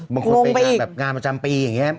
บอกว่างานประจำปีอย่างเงี้ย